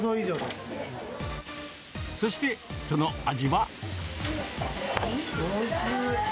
そして、その味は。